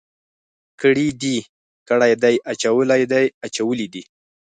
کړي دي، کړی دی، اچولی دی، اچولي دي.